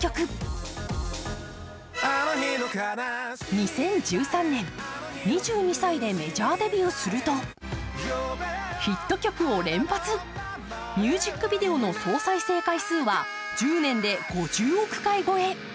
２０１３年、２２歳でメジャーデビューするとヒット曲を連発、ミュージックビデオの総再生回数は１０年で５０億回超え。